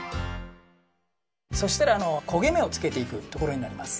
そしたらこげめをつけていくところになります。